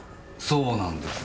そうなんです。